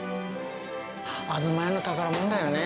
あづま家の宝物だよね。